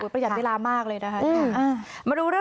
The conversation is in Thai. ประหยัดเวลามากเลยนะคะ